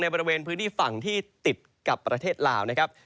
บริเวณพื้นที่ฝั่งที่ติดกับประเทศลาวนะครับ